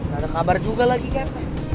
gak ada kabar juga lagi kan